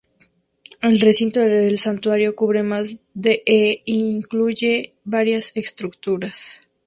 El recinto del santuario cubre más de e incluye varias estructuras.